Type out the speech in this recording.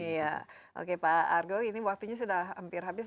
iya oke pak argo ini waktunya sudah hampir habis